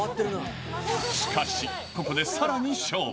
しかし、ここでさらに勝負。